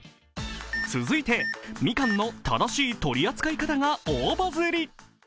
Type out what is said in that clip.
続いて、みかんの正しい取り扱い方が大バズり。